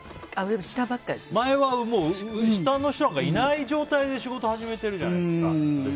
前は下の人なんていない状態で仕事始めてるじゃないですか。